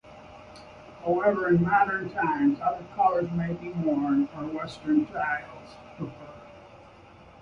However, in modern times other colours may be worn, or Western styles preferred.